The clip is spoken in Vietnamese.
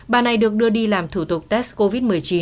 bà này được đưa đi làm thủ tục test covid một mươi chín